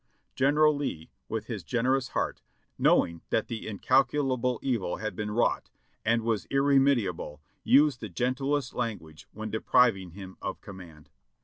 General Lee, with his generous heart, knowing that the incalculable evil had been wrought, and w^as irremediable, used the gentlest language when depriving him of command.